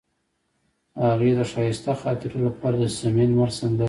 هغې د ښایسته خاطرو لپاره د صمیمي لمر سندره ویله.